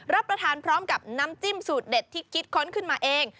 รับประทานพร้อมกับน้ำจิ้มสูตรเด็ดที่คิดค้นขึ้นมาเอง